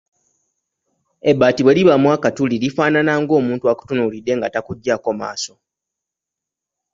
Ebbaati bwe libaamu akatuli lifaanana ng’omuntu akutunuulidde nga takuggyako maaso.